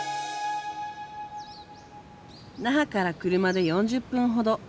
那覇から車で４０分ほど。